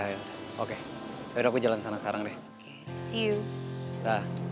ayah oke udah jalan sana sekarang deh